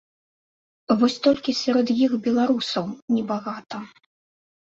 Вось толькі сярод іх беларусаў небагата.